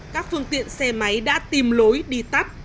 các phương tiện xe máy đã tìm lối đi tắt